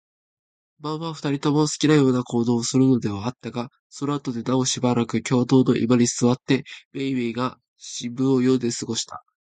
晩は、二人とも好きなような行動をするのではあったが、そのあとではなおしばらく共同の居間に坐って、めいめいが新聞を読んで過ごした。